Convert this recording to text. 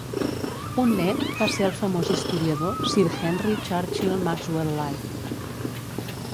Un net va ser el famós historiador Sir Henry Churchill Maxwell-Lyte.